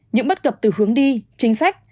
những bất cập từ hướng đi chính sách